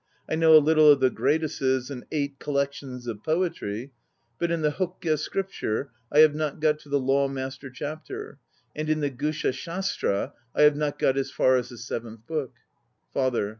I know a little of the graduses and Eight Collections of Poetry; but in the Hokke Scripture I have not got to the Law Master Chapter, and in the Gusha shastra I, have not got as far as the Seventh Book. FATHER.